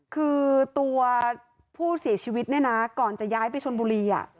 คือตัวผู้เสียชีวิตเนี่ยนะก่อนจะย้ายไปชนบุรี